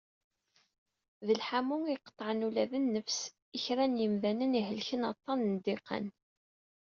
D lḥamu i iqeṭṭεen ula d nnefs i kra n yimdanen i ihellken aṭṭan n ddiqan.